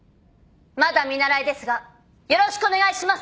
まだ見習ですがよろしくお願いします。